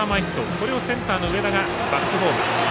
これをセンターの上田がバックホーム。